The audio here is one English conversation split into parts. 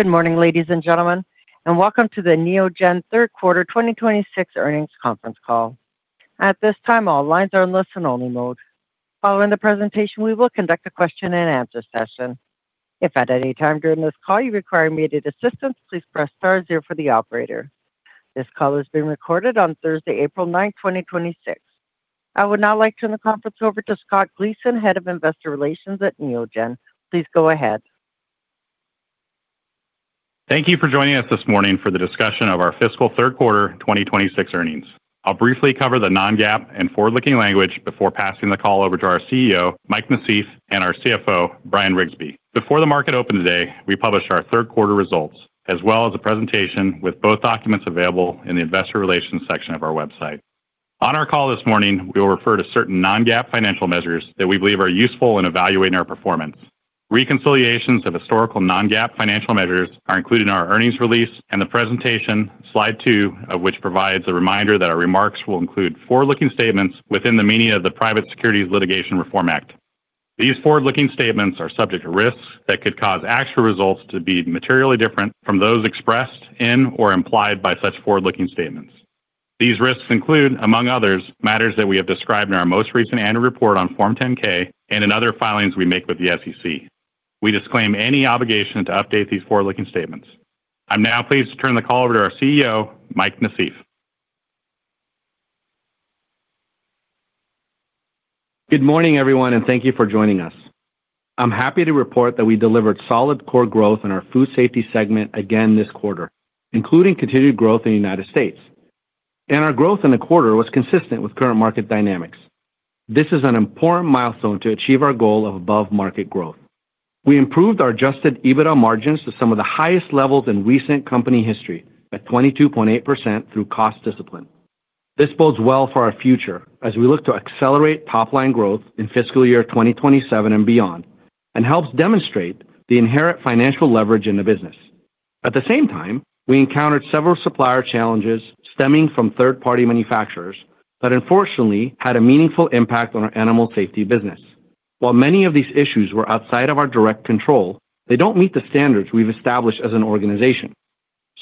Good morning, ladies and gentlemen, and welcome to the Neogen third quarter 2026 earnings conference call. At this time, all lines are in listen-only mode. Following the presentation, we will conduct a question and answer session. If at any time during this call you require immediate assistance, please press star zero for the operator. This call is being recorded on Thursday, April 9th, 2026. I would now like to turn the conference over to Scott Gleason, Head of Investor Relations at Neogen. Please go ahead. Thank you for joining us this morning for the discussion of our fiscal third quarter 2026 earnings. I'll briefly cover the non-GAAP and forward-looking language before passing the call over to our CEO, Mike Nassif, and our CFO, Bryan Riggsbee. Before the market opened today, we published our third quarter results as well as a presentation with both documents available in the investor relations section of our website. On our call this morning, we will refer to certain non-GAAP financial measures that we believe are useful in evaluating our performance. Reconciliations of historical non-GAAP financial measures are included in our earnings release and the presentation, slide two of which provides a reminder that our remarks will include forward-looking statements within the meaning of the Private Securities Litigation Reform Act. These forward-looking statements are subject to risks that could cause actual results to be materially different from those expressed in or implied by such forward-looking statements. These risks include, among others, matters that we have described in our most recent annual report on Form 10-K and in other filings we make with the SEC. We disclaim any obligation to update these forward-looking statements. I'm now pleased to turn the call over to our CEO, Mike Nassif. Good morning, everyone, and thank you for joining us. I'm happy to report that we delivered solid core growth in our food safety segment again this quarter, including continued growth in the United States. Our growth in the quarter was consistent with current market dynamics. This is an important milestone to achieve our goal of above-market growth. We improved our adjusted EBITDA margins to some of the highest levels in recent company history, at 22.8%, through cost discipline. This bodes well for our future as we look to accelerate top-line growth in fiscal year 2027 and beyond and helps demonstrate the inherent financial leverage in the business. At the same time, we encountered several supplier challenges stemming from third-party manufacturers that unfortunately had a meaningful impact on our animal safety business. While many of these issues were outside of our direct control, they don't meet the standards we've established as an organization.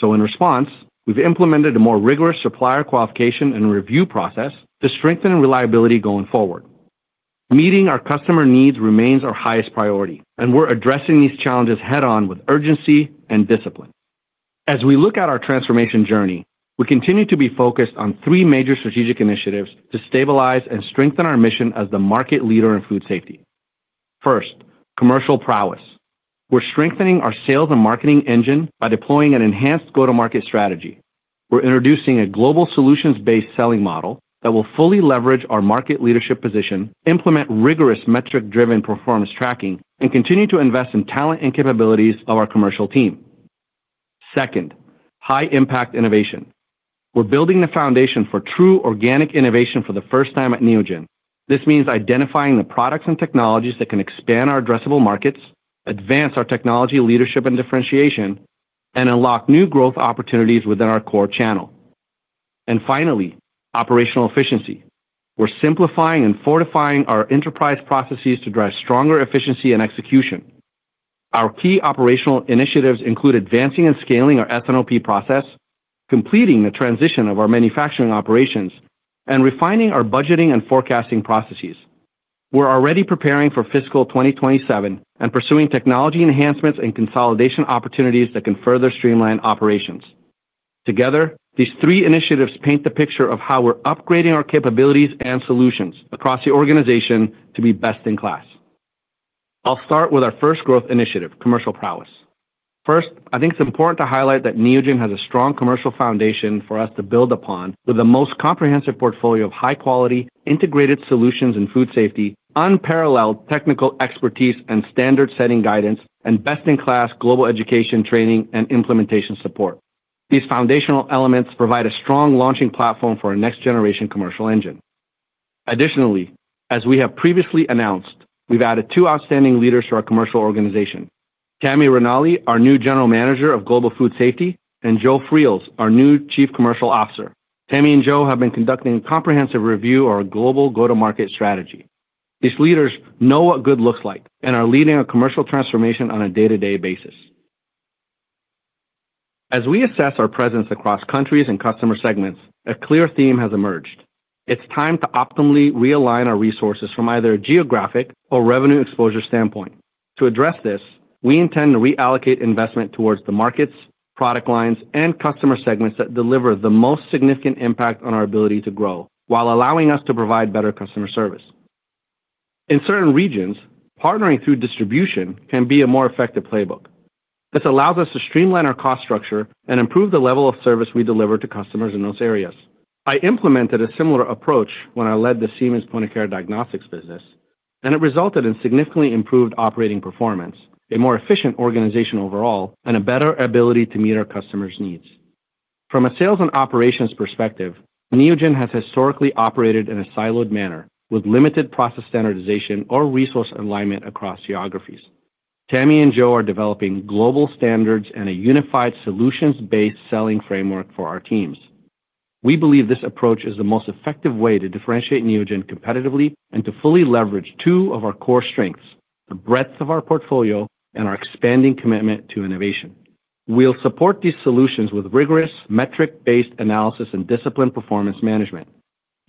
In response, we've implemented a more rigorous supplier qualification and review process to strengthen reliability going forward. Meeting our customer needs remains our highest priority, and we're addressing these challenges head-on with urgency and discipline. As we look at our transformation journey, we continue to be focused on three major strategic initiatives to stabilize and strengthen our mission as the market leader in food safety. First, commercial prowess. We're strengthening our sales and marketing engine by deploying an enhanced go-to-market strategy. We're introducing a global solutions-based selling model that will fully leverage our market leadership position, implement rigorous metric-driven performance tracking, and continue to invest in talent and capabilities of our commercial team. Second, high-impact innovation. We're building the foundation for true organic innovation for the first time at Neogen. This means identifying the products and technologies that can expand our addressable markets, advance our technology leadership and differentiation, and unlock new growth opportunities within our core channel. Finally, operational efficiency. We're simplifying and fortifying our enterprise processes to drive stronger efficiency and execution. Our key operational initiatives include advancing and scaling our S&OP process, completing the transition of our manufacturing operations, and refining our budgeting and forecasting processes. We're already preparing for fiscal 2027 and pursuing technology enhancements and consolidation opportunities that can further streamline operations. Together, these three initiatives paint the picture of how we're upgrading our capabilities and solutions across the organization to be best in class. I'll start with our first growth initiative, commercial prowess. First, I think it's important to highlight that Neogen has a strong commercial foundation for us to build upon with the most comprehensive portfolio of high-quality integrated solutions in food safety, unparalleled technical expertise and standard-setting guidance, and best-in-class global education training and implementation support. These foundational elements provide a strong launching platform for our next generation commercial engine. Additionally, as we have previously announced, we've added two outstanding leaders to our commercial organization. Tammi Ranalli, our new General Manager of Global Food Safety, and Joe Freels, our new Chief Commercial Officer. Tammi and Joe have been conducting a comprehensive review of our global go-to-market strategy. These leaders know what good looks like and are leading a commercial transformation on a day-to-day basis. As we assess our presence across countries and customer segments, a clear theme has emerged. It's time to optimally realign our resources from either a geographic or revenue exposure standpoint. To address this, we intend to reallocate investment towards the markets, product lines, and customer segments that deliver the most significant impact on our ability to grow while allowing us to provide better customer service. In certain regions, partnering through distribution can be a more effective playbook. This allows us to streamline our cost structure and improve the level of service we deliver to customers in those areas. I implemented a similar approach when I led the Siemens Point of Care Diagnostics business, and it resulted in significantly improved operating performance, a more efficient organization overall, and a better ability to meet our customers' needs. From a sales and operations perspective, Neogen has historically operated in a siloed manner with limited process standardization or resource alignment across geographies. Tammi and Joe are developing global standards and a unified solutions-based selling framework for our teams. We believe this approach is the most effective way to differentiate Neogen competitively and to fully leverage two of our core strengths, the breadth of our portfolio and our expanding commitment to innovation. We'll support these solutions with rigorous metric-based analysis and disciplined performance management.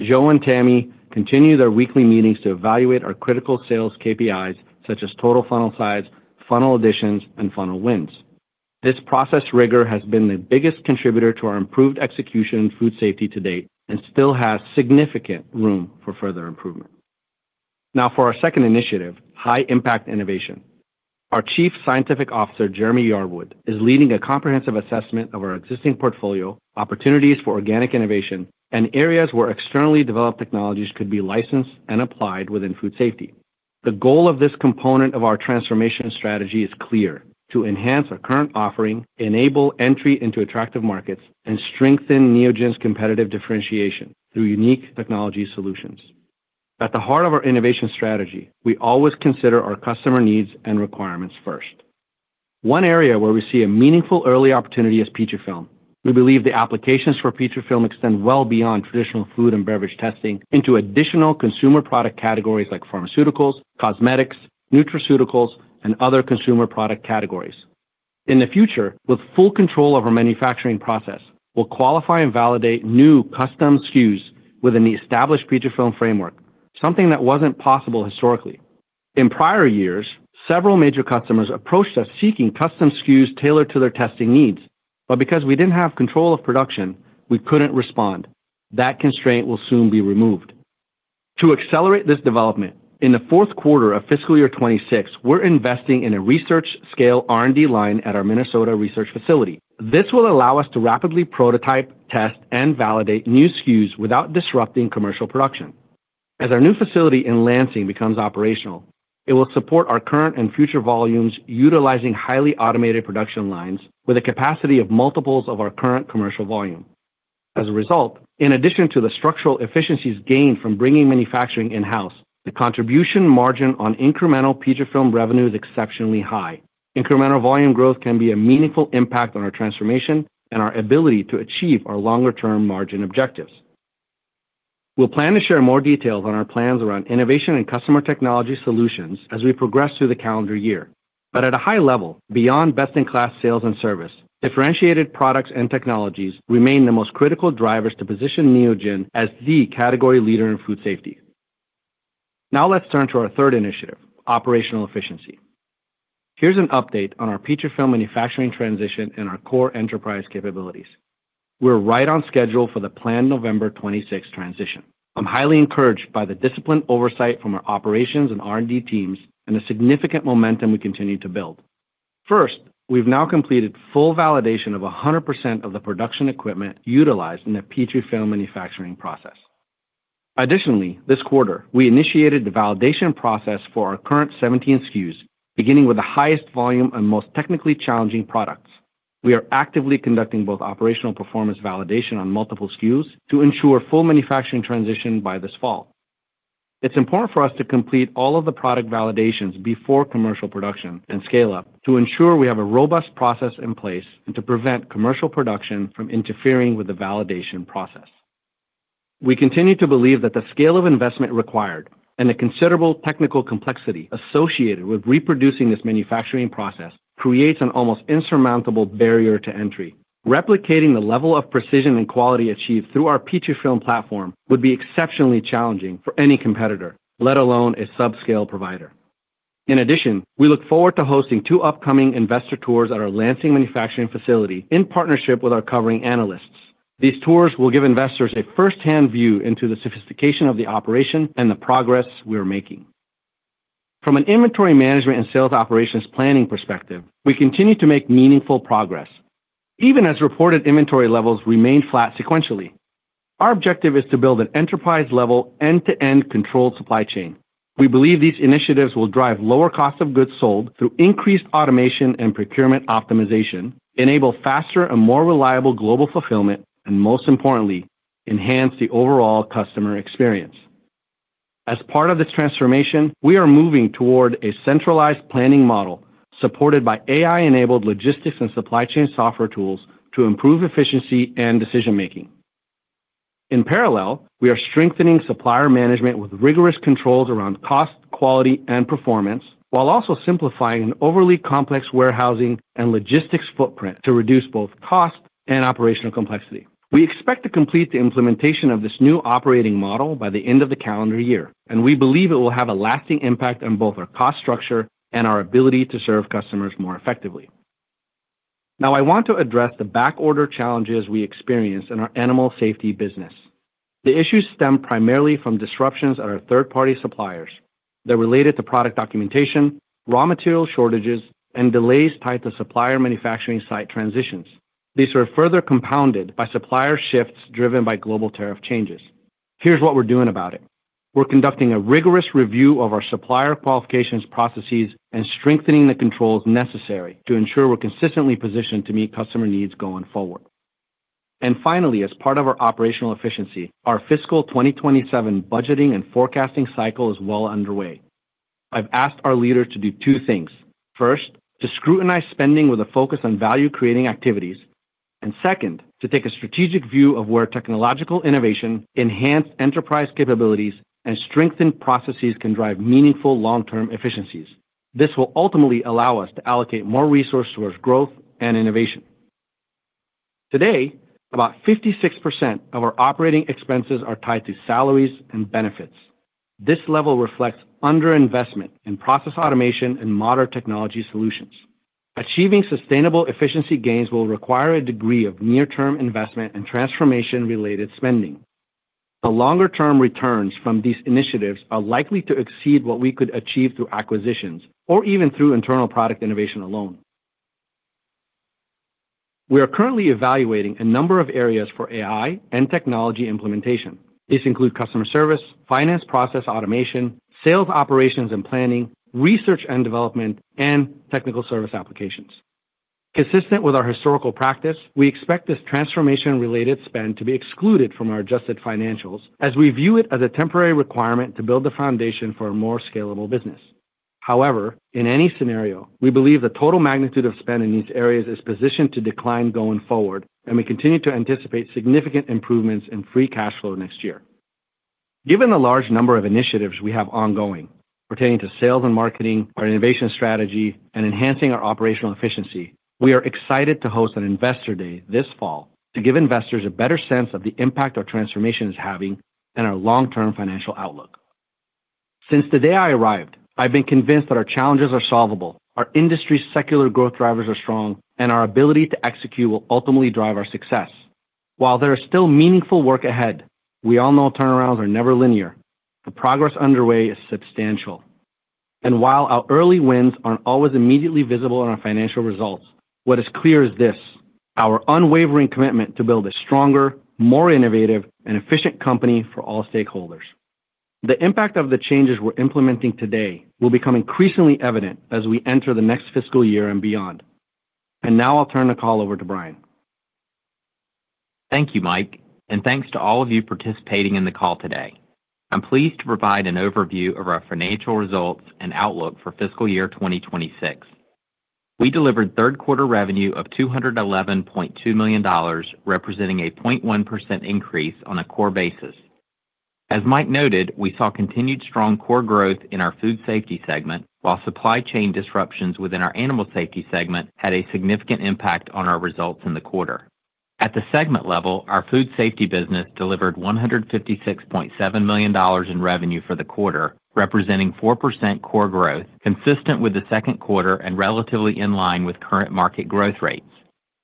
Joe and Tammi continue their weekly meetings to evaluate our critical sales KPIs such as total funnel size, funnel additions, and funnel wins. This process rigor has been the biggest contributor to our improved execution in food safety to date and still has significant room for further improvement. Now for our second initiative, high-impact innovation. Our Chief Scientific Officer, Jeremy Yarwood, is leading a comprehensive assessment of our existing portfolio, opportunities for organic innovation, and areas where externally developed technologies could be licensed and applied within food safety. The goal of this component of our transformation strategy is clear: to enhance our current offering, enable entry into attractive markets, and strengthen Neogen's competitive differentiation through unique technology solutions. At the heart of our innovation strategy, we always consider our customer needs and requirements first. One area where we see a meaningful early opportunity is Petrifilm. We believe the applications for Petrifilm extend well beyond traditional food and beverage testing into additional consumer product categories like pharmaceuticals, cosmetics, nutraceuticals, and other consumer product categories. In the future, with full control of our manufacturing process, we'll qualify and validate new custom SKUs within the established Petrifilm framework, something that wasn't possible historically. In prior years, several major customers approached us seeking custom SKUs tailored to their testing needs. Because we didn't have control of production, we couldn't respond. That constraint will soon be removed. To accelerate this development, in the fourth quarter of FY 2026, we're investing in a research scale R&D line at our Minnesota research facility. This will allow us to rapidly prototype, test, and validate new SKUs without disrupting commercial production. As our new facility in Lansing becomes operational, it will support our current and future volumes utilizing highly automated production lines with a capacity of multiples of our current commercial volume. As a result, in addition to the structural efficiencies gained from bringing manufacturing in-house, the contribution margin on incremental Petrifilm revenue is exceptionally high. Incremental volume growth can be a meaningful impact on our transformation and our ability to achieve our longer-term margin objectives. We'll plan to share more details on our plans around innovation and customer technology solutions as we progress through the calendar year. At a high level, beyond best-in-class sales and service, differentiated products and technologies remain the most critical drivers to position Neogen as the category leader in food safety. Now let's turn to our third initiative, operational efficiency. Here's an update on our Petrifilm manufacturing transition and our core enterprise capabilities. We're right on schedule for the planned November 26th transition. I'm highly encouraged by the disciplined oversight from our operations and R&D teams and the significant momentum we continue to build. First, we've now completed full validation of 100% of the production equipment utilized in the Petrifilm manufacturing process. Additionally, this quarter, we initiated the validation process for our current 17 SKUs, beginning with the highest volume and most technically challenging products. We are actively conducting both operational performance validation on multiple SKUs to ensure full manufacturing transition by this fall. It's important for us to complete all of the product validations before commercial production and scale-up to ensure we have a robust process in place and to prevent commercial production from interfering with the validation process. We continue to believe that the scale of investment required and the considerable technical complexity associated with reproducing this manufacturing process creates an almost insurmountable barrier to entry. Replicating the level of precision and quality achieved through our Petrifilm platform would be exceptionally challenging for any competitor, let alone a subscale provider. In addition, we look forward to hosting two upcoming investor tours at our Lansing manufacturing facility in partnership with our covering analysts. These tours will give investors a first-hand view into the sophistication of the operation and the progress we are making. From an inventory management and sales operations planning perspective, we continue to make meaningful progress even as reported inventory levels remain flat sequentially. Our objective is to build an enterprise-level, end-to-end controlled supply chain. We believe these initiatives will drive lower cost of goods sold through increased automation and procurement optimization, enable faster and more reliable global fulfillment, and most importantly, enhance the overall customer experience. As part of this transformation, we are moving toward a centralized planning model supported by AI-enabled logistics and supply chain software tools to improve efficiency and decision-making. In parallel, we are strengthening supplier management with rigorous controls around cost, quality, and performance, while also simplifying an overly complex warehousing and logistics footprint to reduce both cost and operational complexity. We expect to complete the implementation of this new operating model by the end of the calendar year, and we believe it will have a lasting impact on both our cost structure and our ability to serve customers more effectively. Now, I want to address the backorder challenges we experience in our animal safety business. The issues stem primarily from disruptions at our third-party suppliers that related to product documentation, raw material shortages, and delays tied to supplier manufacturing site transitions. These are further compounded by supplier shifts driven by global tariff changes. Here's what we're doing about it. We're conducting a rigorous review of our supplier qualifications processes and strengthening the controls necessary to ensure we're consistently positioned to meet customer needs going forward. Finally, as part of our operational efficiency, our fiscal 2027 budgeting and forecasting cycle is well underway. I've asked our leaders to do two things. First, to scrutinize spending with a focus on value-creating activities, and second, to take a strategic view of where technological innovation, enhanced enterprise capabilities, and strengthened processes can drive meaningful long-term efficiencies. This will ultimately allow us to allocate more resources towards growth and innovation. Today, about 56% of our operating expenses are tied to salaries and benefits. This level reflects underinvestment in process automation and modern technology solutions. Achieving sustainable efficiency gains will require a degree of near-term investment and transformation-related spending. The longer-term returns from these initiatives are likely to exceed what we could achieve through acquisitions or even through internal product innovation alone. We are currently evaluating a number of areas for AI and technology implementation. These include customer service, finance process automation, sales operations and planning, research and development, and technical service applications. Consistent with our historical practice, we expect this transformation-related spend to be excluded from our adjusted financials as we view it as a temporary requirement to build the foundation for a more scalable business. However, in any scenario, we believe the total magnitude of spend in these areas is positioned to decline going forward, and we continue to anticipate significant improvements in free cash flow next year. Given the large number of initiatives we have ongoing pertaining to sales and marketing, our innovation strategy, and enhancing our operational efficiency, we are excited to host an investor day this fall to give investors a better sense of the impact our transformation is having and our long-term financial outlook. Since the day I arrived, I've been convinced that our challenges are solvable, our industry's secular growth drivers are strong, and our ability to execute will ultimately drive our success. While there is still meaningful work ahead, we all know turnarounds are never linear. The progress underway is substantial. While our early wins aren't always immediately visible in our financial results, what is clear is this: our unwavering commitment to build a stronger, more innovative, and efficient company for all stakeholders. The impact of the changes we're implementing today will become increasingly evident as we enter the next fiscal year and beyond. Now I'll turn the call over to Bryan. Thank you, Mike, and thanks to all of you participating in the call today. I'm pleased to provide an overview of our financial results and outlook for fiscal year 2026. We delivered third quarter revenue of $211.2 million, representing a 0.1% increase on a core basis. As Mike noted, we saw continued strong core growth in our food safety segment, while supply chain disruptions within our animal safety segment had a significant impact on our results in the quarter. At the segment level, our food safety business delivered $156.7 million in revenue for the quarter, representing 4% core growth consistent with the second quarter and relatively in line with current market growth rates.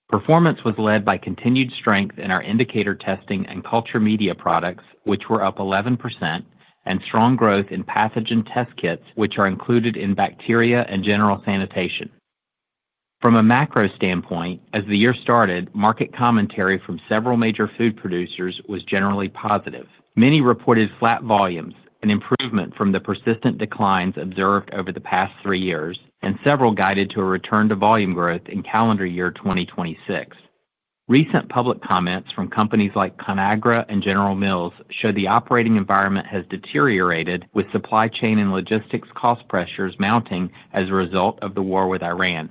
Performance was led by continued strength in our indicator testing and culture media products, which were up 11%, and strong growth in pathogen test kits, which are included in Bacterial and General Sanitation. From a macro standpoint, as the year started, market commentary from several major food producers was generally positive. Many reported flat volumes, an improvement from the persistent declines observed over the past three years, and several guided to a return to volume growth in calendar year 2026. Recent public comments from companies like Conagra and General Mills show the operating environment has deteriorated with supply chain and logistics cost pressures mounting as a result of the war with Iran.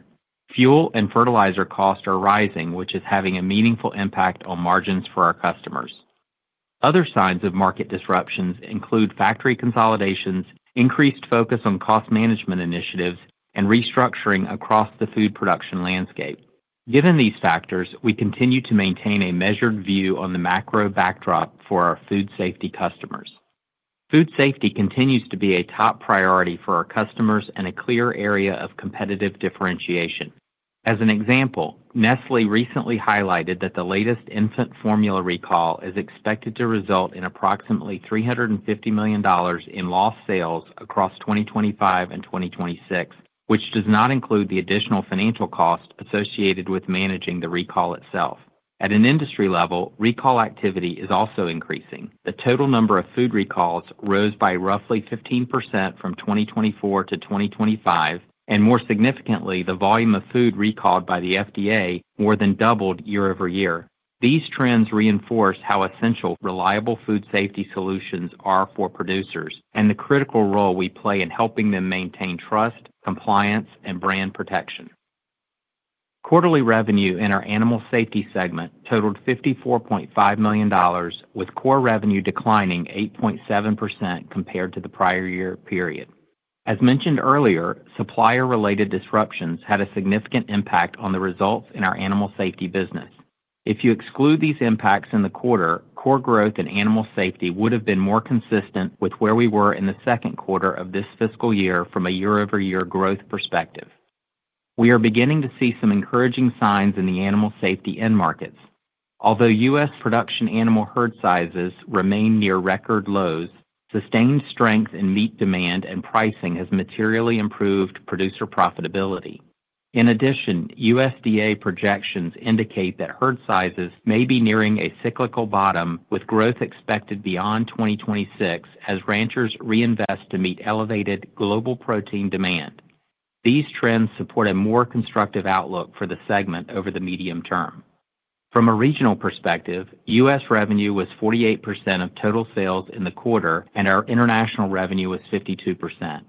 Fuel and fertilizer costs are rising, which is having a meaningful impact on margins for our customers. Other signs of market disruptions include factory consolidations, increased focus on cost management initiatives, and restructuring across the food production landscape. Given these factors, we continue to maintain a measured view on the macro backdrop for our food safety customers. Food safety continues to be a top priority for our customers and a clear area of competitive differentiation. As an example, Nestlé recently highlighted that the latest infant formula recall is expected to result in approximately $350 million in lost sales across 2025 and 2026, which does not include the additional financial cost associated with managing the recall itself. At an industry level, recall activity is also increasing. The total number of food recalls rose by roughly 15% from 2024 to 2025, and more significantly, the volume of food recalled by the FDA more than doubled year-over-year. These trends reinforce how essential reliable food safety solutions are for producers and the critical role we play in helping them maintain trust, compliance, and brand protection. Quarterly revenue in our animal safety segment totaled $54.5 million, with core revenue declining 8.7% compared to the prior year period. As mentioned earlier, supplier-related disruptions had a significant impact on the results in our animal safety business. If you exclude these impacts in the quarter, core growth and animal safety would have been more consistent with where we were in the second quarter of this fiscal year from a year-over-year growth perspective. We are beginning to see some encouraging signs in the animal safety end markets. Although U.S. production animal herd sizes remain near record lows, sustained strength in meat demand and pricing has materially improved producer profitability. In addition, USDA projections indicate that herd sizes may be nearing a cyclical bottom, with growth expected beyond 2026 as ranchers reinvest to meet elevated global protein demand. These trends support a more constructive outlook for the segment over the medium term. From a regional perspective, U.S. revenue was 48% of total sales in the quarter, and our international revenue was 52%.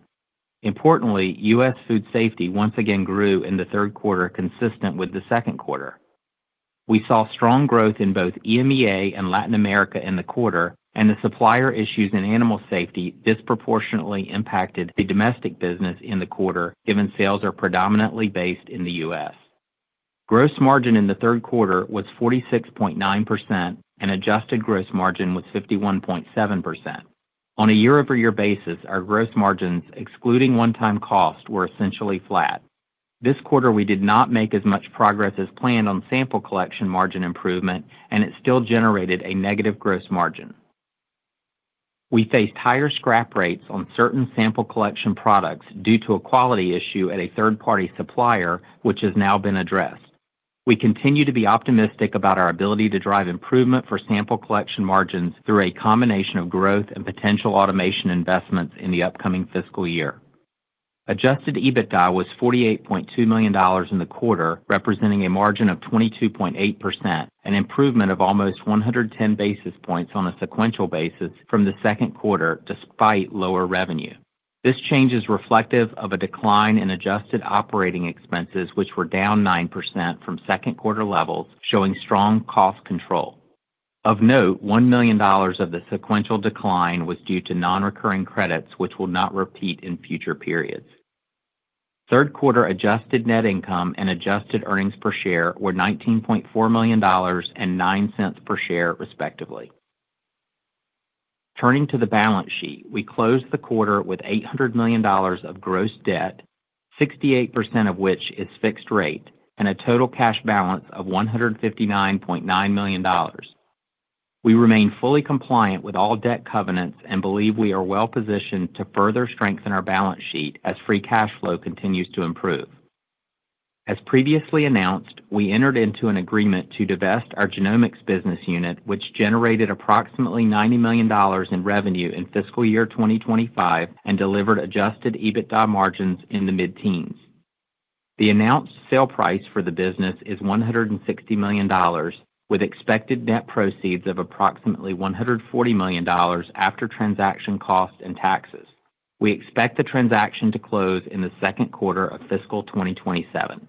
Importantly, U.S. food safety once again grew in the third quarter, consistent with the second quarter. We saw strong growth in both EMEA and Latin America in the quarter, and the supplier issues in animal safety disproportionately impacted the domestic business in the quarter, given sales are predominantly based in the U.S. gross margin in the third quarter was 46.9%, and adjusted gross margin was 51.7%. On a year-over-year basis, our gross margins, excluding one-time costs, were essentially flat. This quarter, we did not make as much progress as planned on sample collection margin improvement, and it still generated a negative gross margin. We faced higher scrap rates on certain sample collection products due to a quality issue at a third-party supplier, which has now been addressed. We continue to be optimistic about our ability to drive improvement for sample collection margins through a combination of growth and potential automation investments in the upcoming fiscal year. Adjusted EBITDA was $48.2 million in the quarter, representing a margin of 22.8%, an improvement of almost 110 basis points on a sequential basis from the second quarter, despite lower revenue. This change is reflective of a decline in adjusted operating expenses, which were down 9% from second quarter levels, showing strong cost control. Of note, $1 million of the sequential decline was due to non-recurring credits, which will not repeat in future periods. Third quarter adjusted net income and adjusted earnings per share were $19.4 million and $0.09 per share, respectively. Turning to the balance sheet, we closed the quarter with $800 million of gross debt, 68% of which is fixed rate and a total cash balance of $159.9 million. We remain fully compliant with all debt covenants and believe we are well positioned to further strengthen our balance sheet as free cash flow continues to improve. As previously announced, we entered into an agreement to divest our genomics business unit, which generated approximately $90 million in revenue in fiscal year 2025 and delivered adjusted EBITDA margins in the mid-teens. The announced sale price for the business is $160 million, with expected net proceeds of approximately $140 million after transaction costs and taxes. We expect the transaction to close in the second quarter of fiscal 2027.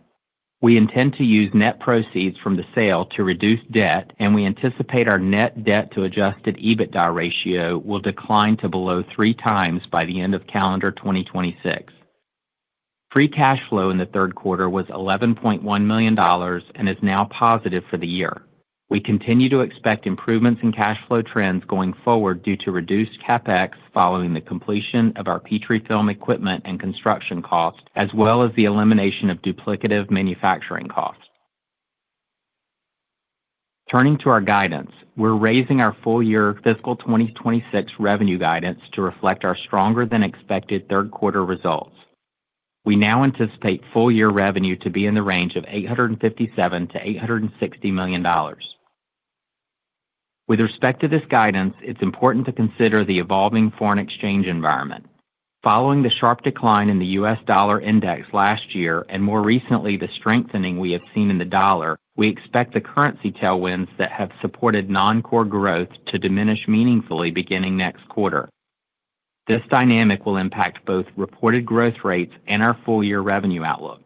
We intend to use net proceeds from the sale to reduce debt, and we anticipate our net debt to adjusted EBITDA ratio will decline to below 3x by the end of calendar 2026. Free cash flow in the third quarter was $11.1 million and is now positive for the year. We continue to expect improvements in cash flow trends going forward due to reduced CapEx following the completion of our Petrifilm equipment and construction costs, as well as the elimination of duplicative manufacturing costs. Turning to our guidance, we're raising our full year fiscal 2026 revenue guidance to reflect our stronger than expected third quarter results. We now anticipate full year revenue to be in the range of $857 million-$860 million. With respect to this guidance, it's important to consider the evolving foreign exchange environment. Following the sharp decline in the U.S. dollar index last year and more recently, the strengthening we have seen in the dollar, we expect the currency tailwinds that have supported non-core growth to diminish meaningfully beginning next quarter. This dynamic will impact both reported growth rates and our full-year revenue outlook.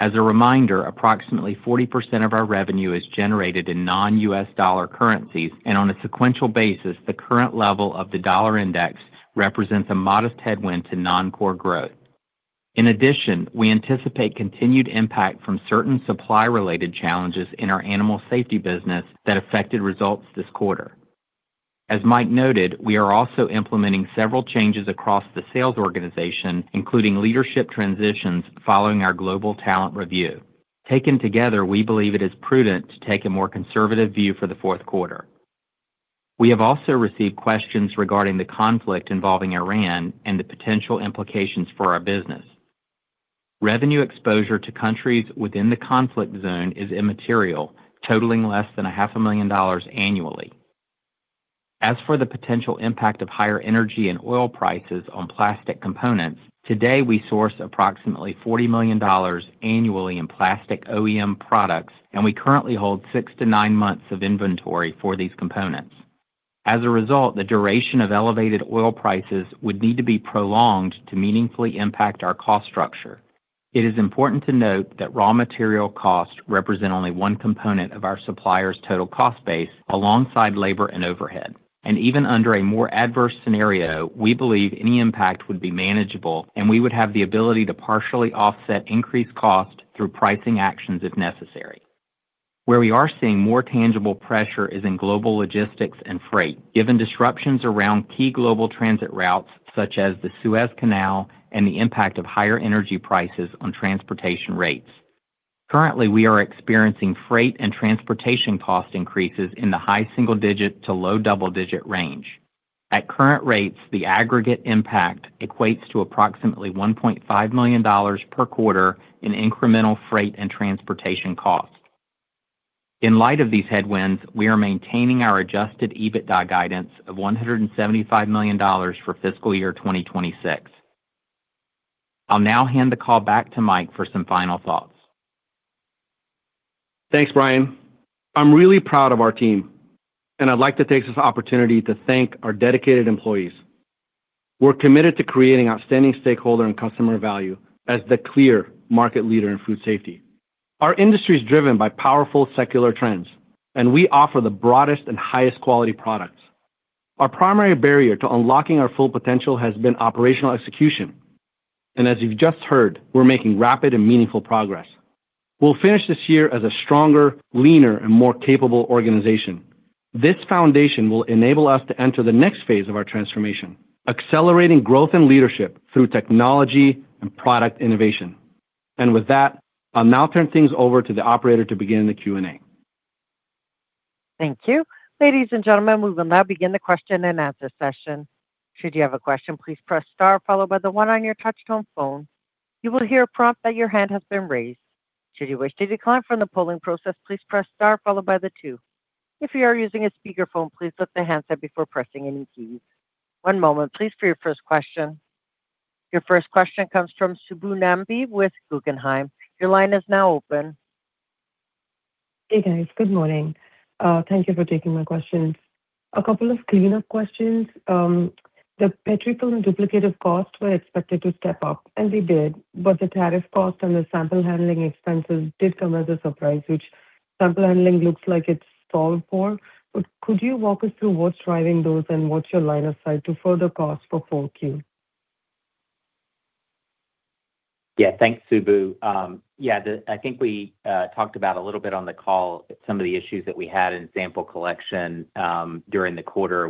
As a reminder, approximately 40% of our revenue is generated in non-U.S. dollar currencies, and on a sequential basis, the current level of the U.S. dollar index represents a modest headwind to non-core growth. In addition, we anticipate continued impact from certain supply-related challenges in our animal safety business that affected results this quarter. As Mike noted, we are also implementing several changes across the sales organization, including leadership transitions following our global talent review. Taken together, we believe it is prudent to take a more conservative view for the fourth quarter. We have also received questions regarding the conflict involving Iran and the potential implications for our business. Revenue exposure to countries within the conflict zone is immaterial, totaling less than half a million dollars annually. As for the potential impact of higher energy and oil prices on plastic components, today, we source approximately $40 million annually in plastic OEM products, and we currently hold six to nine months of inventory for these components. As a result, the duration of elevated oil prices would need to be prolonged to meaningfully impact our cost structure. It is important to note that raw material costs represent only one component of our suppliers' total cost base alongside labor and overhead. Even under a more adverse scenario, we believe any impact would be manageable, and we would have the ability to partially offset increased cost through pricing actions if necessary. Where we are seeing more tangible pressure is in global logistics and freight, given disruptions around key global transit routes such as the Suez Canal and the impact of higher energy prices on transportation rates. Currently, we are experiencing freight and transportation cost increases in the high single digit to low double digit range. At current rates, the aggregate impact equates to approximately $1.5 million per quarter in incremental freight and transportation costs. In light of these headwinds, we are maintaining our adjusted EBITDA guidance of $175 million for fiscal year 2026. I'll now hand the call back to Mike for some final thoughts. Thanks, Bryan. I'm really proud of our team, and I'd like to take this opportunity to thank our dedicated employees. We're committed to creating outstanding stakeholder and customer value as the clear market leader in food safety. Our industry is driven by powerful secular trends, and we offer the broadest and highest quality products. Our primary barrier to unlocking our full potential has been operational execution, and as you've just heard, we're making rapid and meaningful progress. We'll finish this year as a stronger, leaner, and more capable organization. This foundation will enable us to enter the next phase of our transformation, accelerating growth and leadership through technology and product innovation. With that, I'll now turn things over to the operator to begin the Q&A. Thank you. Ladies and gentlemen, we will now begin the question and answer session. Should you have a question, please press star followed by the one on your touch-tone phone. You will hear a prompt that your hand has been raised. Should you wish to decline from the polling process, please press star followed by the two. If you are using a speakerphone, please lift the handset before pressing any keys. One moment, please, for your first question. Your first question comes from Subbu Nambi with Guggenheim. Your line is now open. Hey, guys. Good morning. Thank you for taking my questions. A couple of cleanup questions. The Petrifilm and duplicative costs were expected to step up, and they did, but the tariff cost and the sample handling expenses did come as a surprise. The sample handling looks like it's solved for, but could you walk us through what's driving those and what's your line of sight to further costs for 4Q? Yeah. Thanks, Subbu. Yeah. I think we talked about a little bit on the call some of the issues that we had in sample collection during the quarter.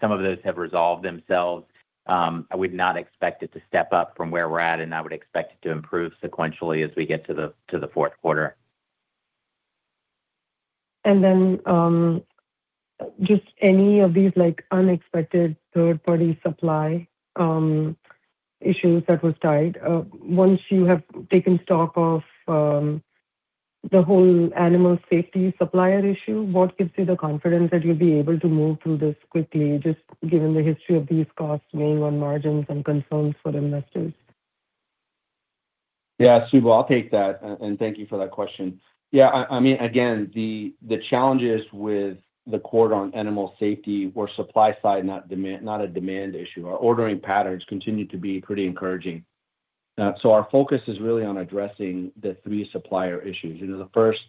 Some of those have resolved themselves. I would not expect it to step up from where we're at, and I would expect it to improve sequentially as we get to the fourth quarter. Just any of these unexpected third-party supply issues that was tied. Once you have taken stock of the whole Animal Safety supplier issue, what gives you the confidence that you'll be able to move through this quickly, just given the history of these costs weighing on margins and concerns for the investors? Yeah, Subbu, I'll take that, and thank you for that question. Yeah, again, the challenges with the core on animal safety were supply side, not a demand issue. Our ordering patterns continue to be pretty encouraging. Our focus is really on addressing the three supplier issues. The first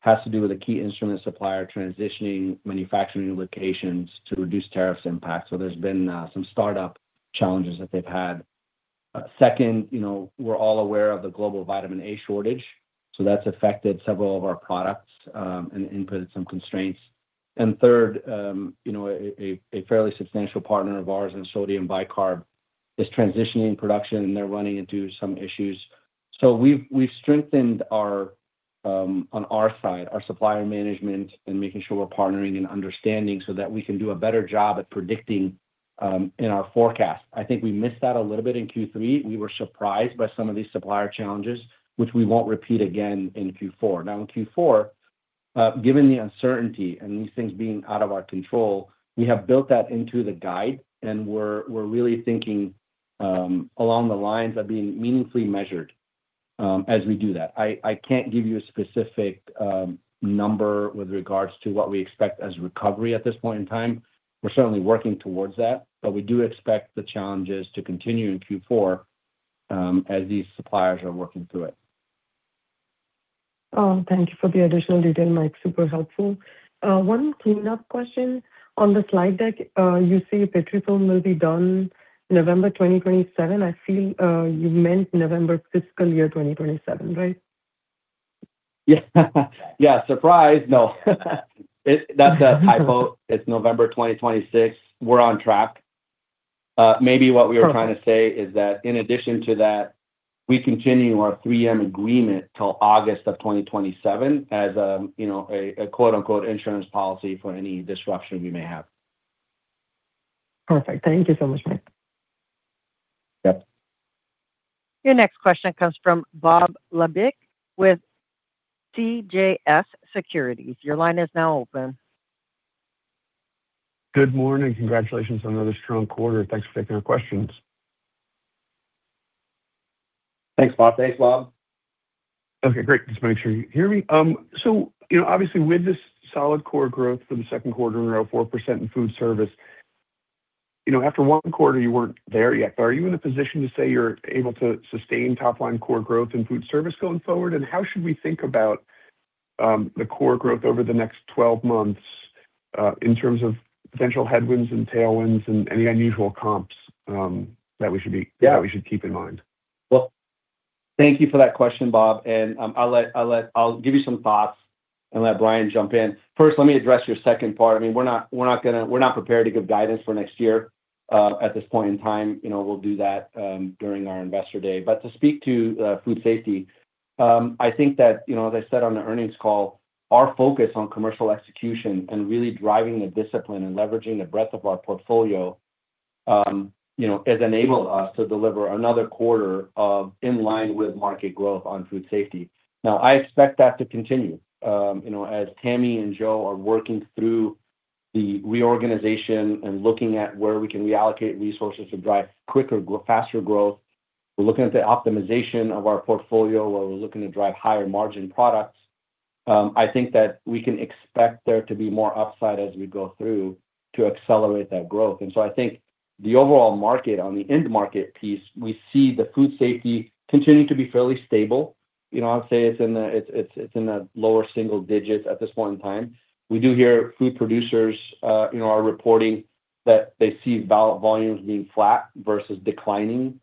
has to do with a key instrument supplier transitioning manufacturing locations to reduce tariffs impact. There's been some startup challenges that they've had. Second, we're all aware of the global vitamin A shortage, so that's affected several of our products and inputs had some constraints. Third, a fairly substantial partner of ours in Sodium Bicarbonate is transitioning production, and they're running into some issues. We've strengthened on our side, our supplier management and making sure we're partnering and understanding so that we can do a better job at predicting in our forecast. I think we missed that a little bit in Q3. We were surprised by some of these supplier challenges, which we won't repeat again in Q4. Now in Q4, given the uncertainty and these things being out of our control, we have built that into the guide, and we're really thinking along the lines of being meaningfully measured as we do that. I can't give you a specific number with regards to what we expect as recovery at this point in time. We're certainly working towards that, but we do expect the challenges to continue in Q4 as these suppliers are working through it. Thank you for the additional detail, Mike. Super helpful. One cleanup question. On the slide deck, you say Petrifilm will be done November 2027. I feel you meant November fiscal year 2027, right? Yeah. Surprise. No. That's a typo. It's November 2026. We're on track. Maybe what we were trying to say is that in addition to that, we continue our three-year agreement till August of 2027 as a "insurance policy" for any disruption we may have. Perfect. Thank you so much, Mike. Yep. Your next question comes from Bob Labick with CJS Securities. Your line is now open. Good morning. Congratulations on another strong quarter. Thanks for taking our questions. Thanks, Bob. Hey, Bob. Okay, great. Just making sure you hear me. Obviously, with this solid core growth for the second quarter and around 4% in food safety, after one quarter, you weren't there yet, but are you in a position to say you're able to sustain top-line core growth in food safety going forward? How should we think about the core growth over the next 12 months, in terms of potential headwinds and tailwinds and any unusual comps that we should keep in mind? Well, thank you for that question, Bob, and I'll give you some thoughts and let Bryan jump in. First, let me address your second part. We're not prepared to give guidance for next year at this point in time. We'll do that during our investor day. To speak to food safety, I think that, as I said on the earnings call, our focus on commercial execution and really driving the discipline and leveraging the breadth of our portfolio has enabled us to deliver another quarter of in line with market growth on food safety. Now, I expect that to continue as Tammi and Joe are working through the reorganization and looking at where we can reallocate resources to drive quicker, faster growth. We're looking at the optimization of our portfolio while we're looking to drive higher margin products. I think that we can expect there to be more upside as we go through to accelerate that growth. I think the overall market on the end market piece, we see the food safety continuing to be fairly stable. I would say it's in the lower single digits at this point in time. We do hear food producers are reporting that they see volumes being flat versus declining,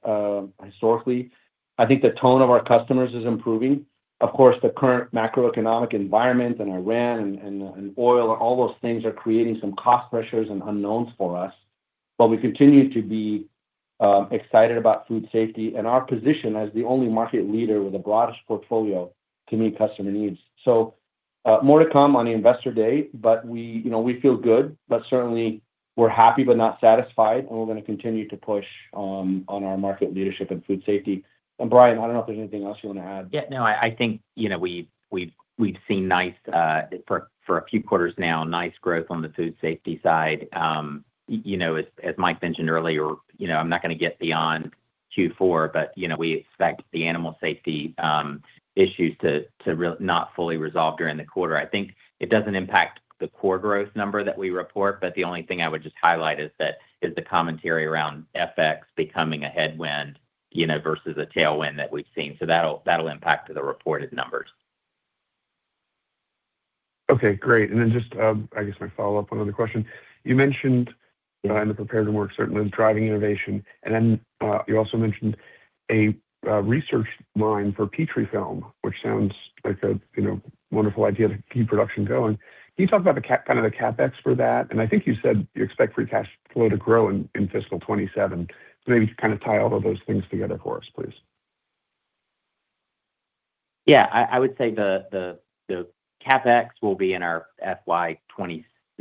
historically. I think the tone of our customers is improving. Of course, the current macroeconomic environment and Iran and oil and all those things are creating some cost pressures and unknowns for us. But we continue to be excited about food safety and our position as the only market leader with the broadest portfolio to meet customer needs. More to come on the investor day, but we feel good. Certainly we're happy but not satisfied, and we're going to continue to push on our market leadership and food safety. Bryan, I don't know if there's anything else you want to add. Yeah. No, I think, we've seen for a few quarters now, nice growth on the food safety side. As Mike mentioned earlier, I'm not going to get beyond Q4, but we expect the animal safety issues to not fully resolve during the quarter. I think it doesn't impact the core growth number that we report, but the only thing I would just highlight is the commentary around FX becoming a headwind, versus a tailwind that we've seen. That'll impact the reported numbers. Okay, great. Just, I guess my follow-up, another question. You mentioned the partnerships, certainly with driving innovation. You also mentioned a research line for Petrifilm, which sounds like a wonderful idea to keep production going. Can you talk about kind of the CapEx for that? I think you said you expect free cash flow to grow in fiscal 2027. Maybe just kind of tie all of those things together for us, please. Yeah, I would say the CapEx will be in our FY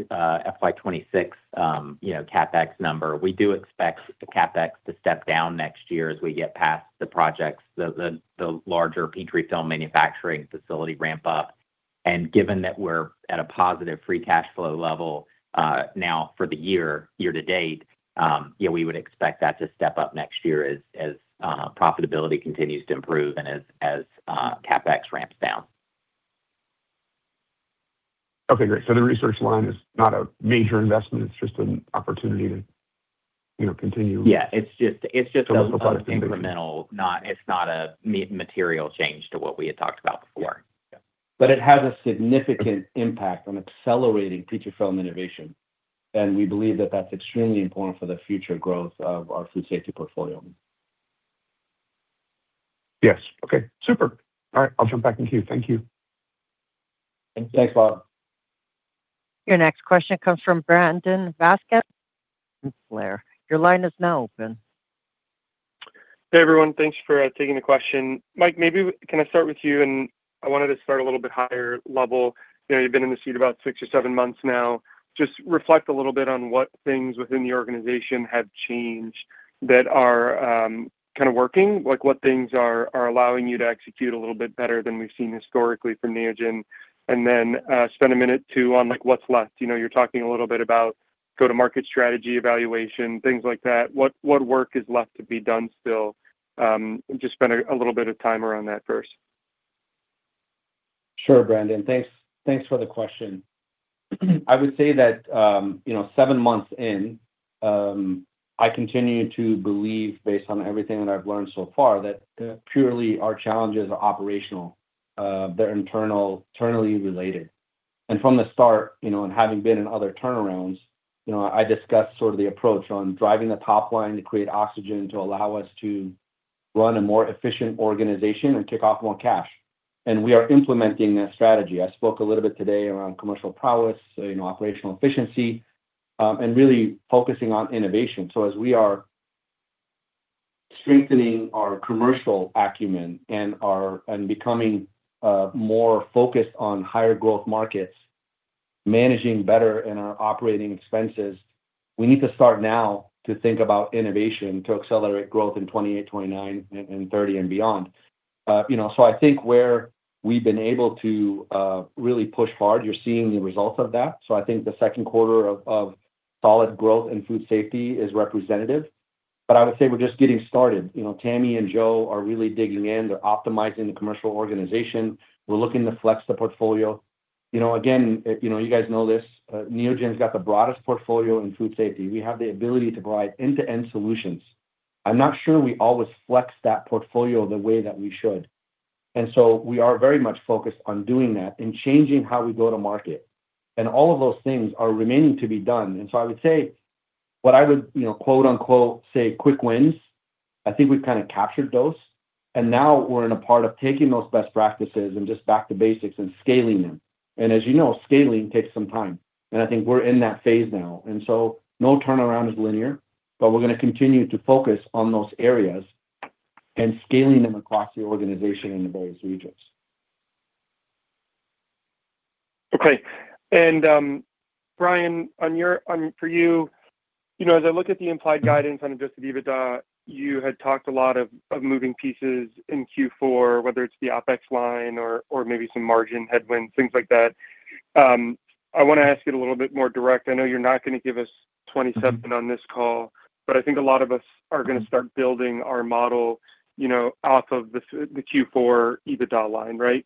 2026 CapEx number. We do expect the CapEx to step down next year as we get past the projects, the larger Petrifilm manufacturing facility ramp up. Given that we're at a positive free cash flow level, now for the year to date, we would expect that to step up next year as profitability continues to improve and as CapEx ramps down. Okay, great. The research line is not a major investment, it's just an opportunity to continue— Yeah. It's just— —to look for other things. —it's an incremental, it's not a material change to what we had talked about before. Yeah. It has a significant impact on accelerating Petrifilm innovation. We believe that that's extremely important for the future growth of our food safety portfolio. Yes. Okay, super. All right. I'll jump back in queue. Thank you. Thanks, Bob. Your next question comes from Brandon Vazquez with William Blair. Your line is now open. Hey, everyone. Thanks for taking the question. Mike, maybe can I start with you? I wanted to start a little bit higher level. You've been in the seat about six or seven months now. Just reflect a little bit on what things within the organization have changed that are kind of working, like what things are allowing you to execute a little bit better than we've seen historically from Neogen? Spend a minute, too, on what's left. You're talking a little bit about go-to market strategy evaluation, things like that. What work is left to be done still? Just spend a little bit of time around that first. Sure, Brandon. Thanks for the question. I would say that seven months in, I continue to believe, based on everything that I've learned so far, that purely our challenges are operational, they're internally related. From the start, and having been in other turnarounds, I discussed sort of the approach on driving the top line to create oxygen to allow us to run a more efficient organization and kick off more cash. We are implementing that strategy. I spoke a little bit today around commercial prowess, operational efficiency, and really focusing on innovation. As we are strengthening our commercial acumen and becoming more focused on higher growth markets, managing better in our operating expenses, we need to start now to think about innovation to accelerate growth in 2028, 2029, and 2030 and beyond. I think where we've been able to really push hard, you're seeing the results of that. I think the second quarter of solid growth and food safety is representative, but I would say we're just getting started. You know, Tammi and Joe are really digging in. They're optimizing the commercial organization. We're looking to flex the portfolio. Again, you guys know this, Neogen's got the broadest portfolio in food safety. We have the ability to provide end-to-end solutions. I'm not sure we always flex that portfolio the way that we should. We are very much focused on doing that and changing how we go to market. All of those things are remaining to be done. I would say quick wins. I think we've kind of captured those, and now we're in a part of taking those best practices and just back to basics and scaling them. As you know, scaling takes some time. I think we're in that phase now. No turnaround is linear, but we're going to continue to focus on those areas and scaling them across the organization in the various regions. Okay. Bryan, for you, as I look at the implied guidance on adjusted EBITDA, you had talked a lot of moving pieces in Q4, whether it's the OpEx line or maybe some margin headwinds, things like that. I want to ask it a little bit more direct. I know you're not going to give us 2027 on this call, but I think a lot of us are going to start building our model off of the Q4 EBITDA line, right?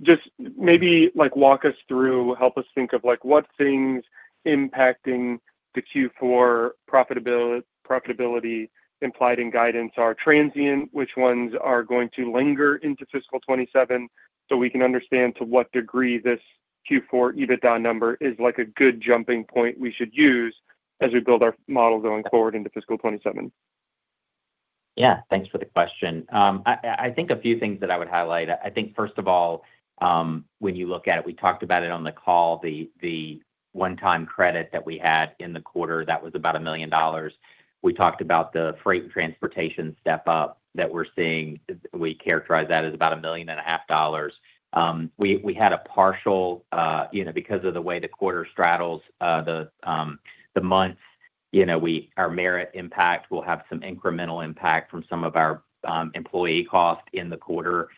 Just maybe walk us through, help us think of what things impacting the Q4 profitability implied in guidance are transient, which ones are going to linger into fiscal 2027, so we can understand to what degree this Q4 EBITDA number is a good jumping point we should use as we build our model going forward into fiscal 2027. Yeah. Thanks for the question. I think a few things that I would highlight. I think first of all, when you look at it, we talked about it on the call, the one-time credit that we had in the quarter, that was about $1 million. We talked about the freight and transportation step-up that we're seeing. We characterize that as about $1.5 million. We had a partial, because of the way the quarter straddles the months, our merit impact will have some incremental impact from some of our employee cost in the quarter,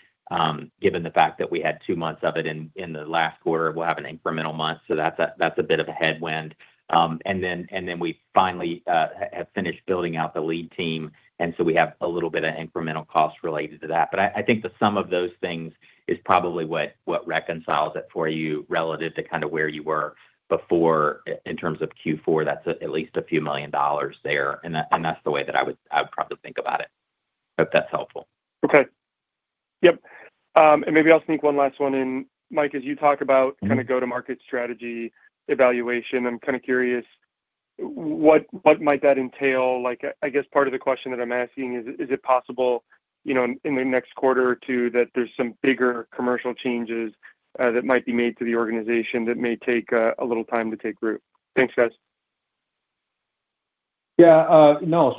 given the fact that we had two months of it in the last quarter, we'll have an incremental month. That's a bit of a headwind. Then we finally have finished building out the lead team, and so we have a little bit of incremental cost related to that. I think the sum of those things is probably what reconciles it for you relative to kind of where you were before in terms of Q4. That's at least a few million dollars there, and that's the way that I would probably think about it. I hope that's helpful. Okay. Yep. Maybe I'll sneak one last one in. Mike, as you talk about kind of go-to-market strategy evaluation, I'm kind of curious, what might that entail? I guess part of the question that I'm asking is it possible, in the next quarter or two, that there's some bigger commercial changes that may take a little time to take root? Thanks, guys. Yeah. No.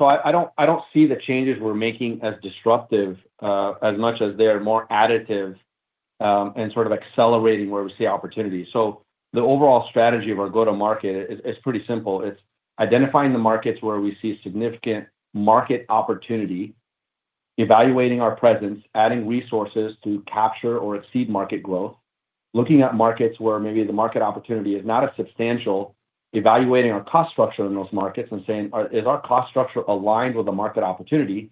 I don't see the changes we're making as disruptive as much as they are more additive and sort of accelerating where we see opportunity. The overall strategy of our go-to-market is pretty simple. It's identifying the markets where we see significant market opportunity, evaluating our presence, adding resources to capture or exceed market growth, looking at markets where maybe the market opportunity is not as substantial, evaluating our cost structure in those markets and saying, "Is our cost structure aligned with the market opportunity?"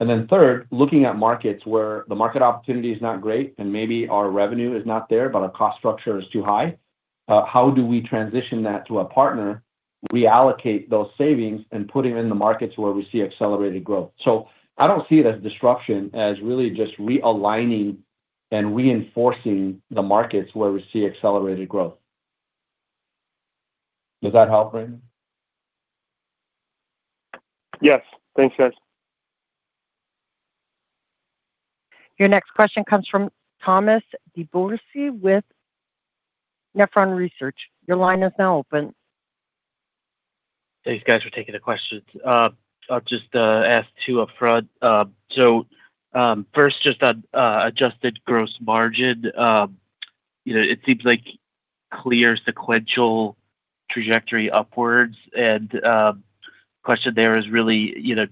Third, looking at markets where the market opportunity is not great and maybe our revenue is not there, but our cost structure is too high. How do we transition that to a partner, reallocate those savings, and put them in the markets where we see accelerated growth? I don't see it as disruption, as really just realigning and reinforcing the markets where we see accelerated growth. Does that help, Brandon? Yes. Thanks, guys. Your next question comes from Thomas DeBourcy with Nephron Research. Your line is now open. Thanks, guys, for taking the questions. I'll just ask two up front. First just on adjusted gross margin. It seems like clear sequential trajectory upwards and question there is really,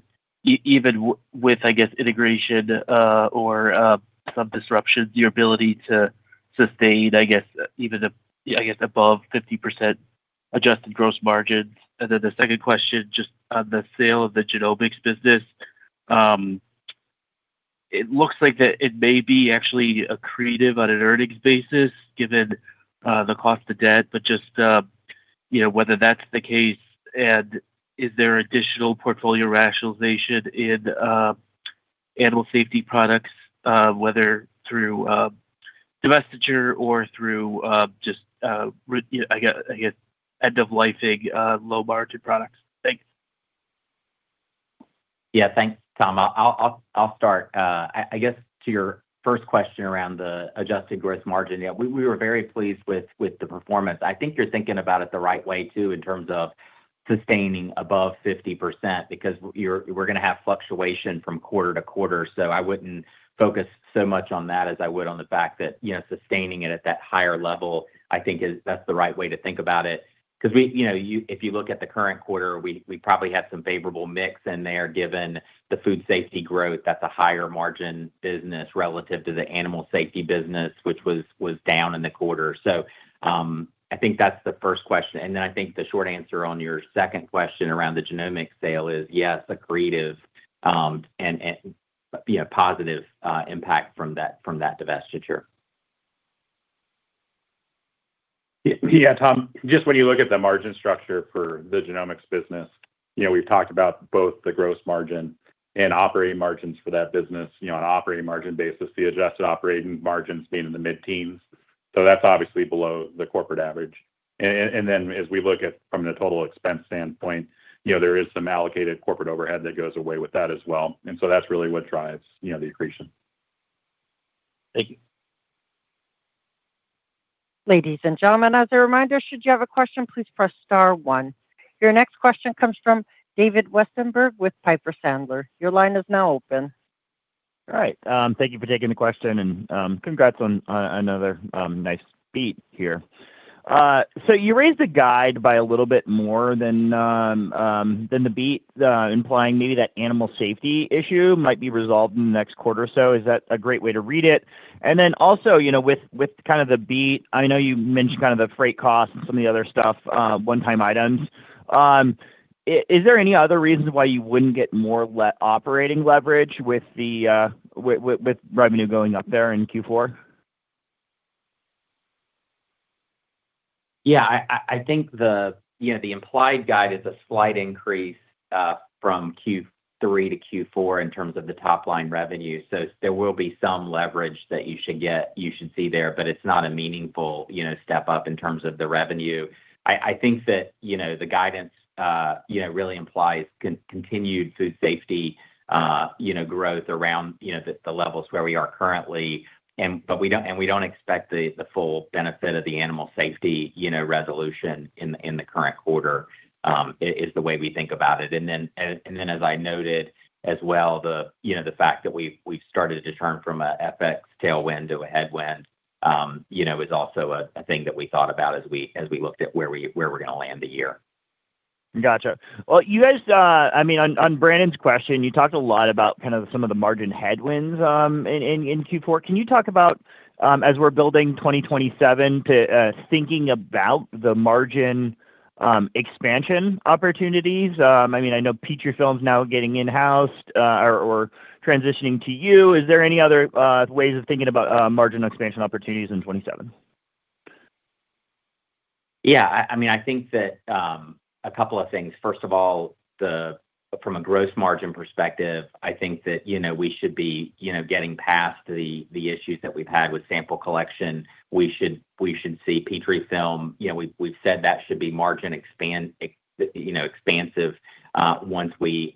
even with, I guess, integration or some disruptions, your ability to sustain, I guess above 50% adjusted gross margins. The second question, just on the sale of the genomics business. It looks like that it may be actually accretive on an earnings basis given the cost of debt, but just whether that's the case and is there additional portfolio rationalization in animal safety products, whether through divestiture or through just end-of-life low-margin products. Thanks. Yeah. Thanks, Tom. I'll start. I guess to your first question around the adjusted gross margin, yeah, we were very pleased with the performance. I think you're thinking about it the right way, too, in terms of sustaining above 50%, because we're going to have fluctuation from quarter to quarter. I wouldn't focus so much on that as I would on the fact that, sustaining it at that higher level, I think that's the right way to think about it. If you look at the current quarter, we probably have some favorable mix in there, given the food safety growth. That's a higher margin business relative to the Animal Safety business, which was down in the quarter. I think that's the first question. I think the short answer on your second question around the genomics sale is yes, accretive and positive impact from that divestiture. Yeah. Tom, just when you look at the margin structure for the genomics business, we've talked about both the gross margin and operating margins for that business. On an operating margin basis, the adjusted operating margins being in the mid-teens. That's obviously below the corporate average. As we look at from the total expense standpoint, there is some allocated corporate overhead that goes away with that as well. That's really what drives the accretion. Thank you. Ladies and gentlemen, as a reminder, should you have a question, please press star one. Your next question comes from David Westenberg with Piper Sandler. Your line is now open. All right. Thank you for taking the question, and congrats on another nice beat here. You raised the guide by a little bit more than the beat, implying maybe that animal safety issue might be resolved in the next quarter or so. Is that a great way to read it? Also, with kind of the beat, I know you mentioned kind of the freight costs and some of the other stuff, one-time items. Is there any other reasons why you wouldn't get more operating leverage with revenue going up there in Q4? Yeah, I think the implied guide is a slight increase from Q3 to Q4 in terms of the top-line revenue. There will be some leverage that you should see there, but it's not a meaningful step-up in terms of the revenue. I think that the guidance really implies continued food safety growth around the levels where we are currently. We don't expect the full benefit of the animal safety resolution in the current quarter, is the way we think about it. Then, as I noted as well, the fact that we've started to turn from a FX tailwind to a headwind is also a thing that we thought about as we looked at where we're going to land the year. Got you. Well, you guys, on Brandon's question, you talked a lot about some of the margin headwinds in Q4. Can you talk about, as we're building 2027, thinking about the margin expansion opportunities? I know Petrifilm's now getting in-housed or transitioning to you. Is there any other ways of thinking about margin expansion opportunities in 2027? Yeah. I think that a couple of things. First of all, from a gross margin perspective, I think that we should be getting past the issues that we've had with sample collection. We should see Petrifilm, we've said that should be margin expansive once we've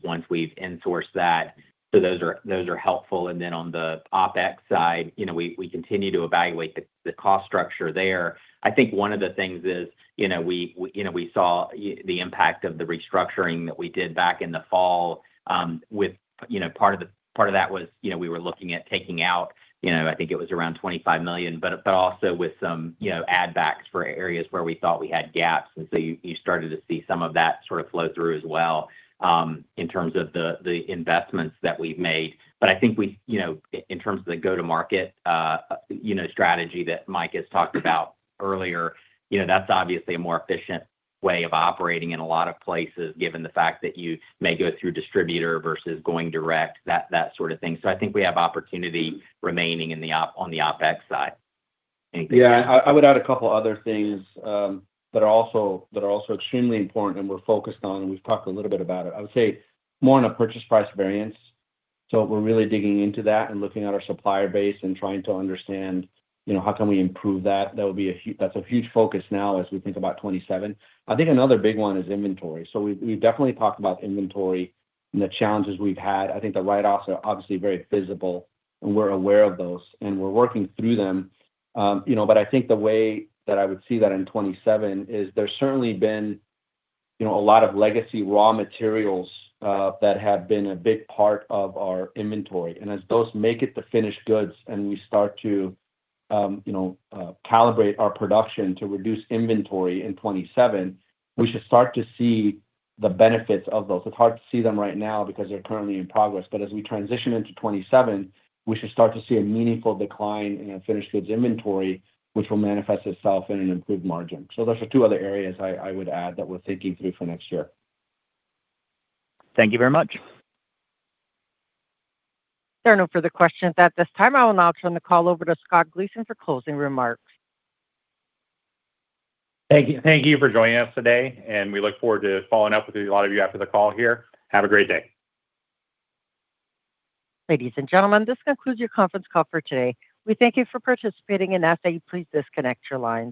insourced that. Those are helpful. Then on the OpEx side, we continue to evaluate the cost structure there. I think one of the things is we saw the impact of the restructuring that we did back in the fall. Part of that was we were looking at taking out, I think it was around $25 million, but also with some add backs for areas where we thought we had gaps. You started to see some of that sort of flow through as well, in terms of the investments that we've made. I think in terms of the go-to-market strategy that Mike has talked about earlier, that's obviously a more efficient way of operating in a lot of places, given the fact that you may go through distributor versus going direct, that sort of thing. I think we have opportunity remaining on the OpEx side. Anything- Yeah, I would add a couple other things that are also extremely important and we're focused on, and we've talked a little bit about it. I would say more on a purchase price variance. We're really digging into that and looking at our supplier base and trying to understand how can we improve that. That's a huge focus now as we think about 2027. I think another big one is inventory. We've definitely talked about inventory and the challenges we've had. I think the write-offs are obviously very visible and we're aware of those and we're working through them. I think the way that I would see that in 2027 is there's certainly been a lot of legacy raw materials that have been a big part of our inventory. As those make it to finished goods and we start to calibrate our production to reduce inventory in 2027, we should start to see the benefits of those. It's hard to see them right now because they're currently in progress, but as we transition into 2027, we should start to see a meaningful decline in our finished goods inventory, which will manifest itself in an improved margin. Those are two other areas I would add that we're thinking through for next year. Thank you very much. There are no further questions at this time. I will now turn the call over to Scott Gleason for closing remarks. Thank you for joining us today, and we look forward to following up with a lot of you after the call here. Have a great day. Ladies and gentlemen, this concludes your conference call for today. We thank you for participating and ask that you please disconnect your lines.